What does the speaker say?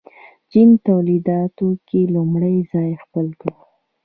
چین تولیداتو کې لومړی ځای خپل کړ.